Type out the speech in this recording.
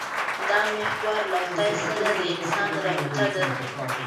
دا محور له خدای سره د انسان رابطه ده.